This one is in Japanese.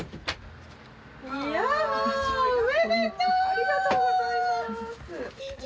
ありがとうございます！